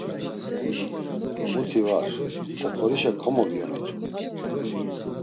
Muti var, oxorişa komoviyonitu.